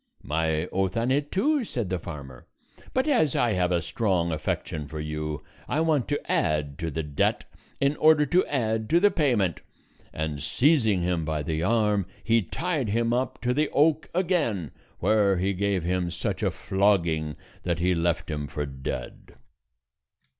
"My oath on it too," said the farmer; "but as I have a strong affection for you, I want to add to the debt in order to add to the payment;" and seizing him by the arm, he tied him up to the oak again, where he gave him such a flogging that he left him for dead.